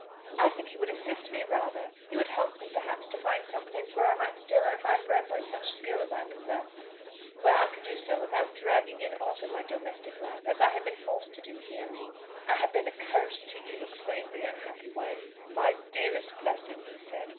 "I think he would assist me rather. He would help me, perhaps, to find some place where I might still earn my bread by such skill as I possess; where I could do so without dragging in aught of my domestic life, as I have been forced to do here." "I have been a curse to you," exclaimed the unhappy wife. "My dearest blessing," he said.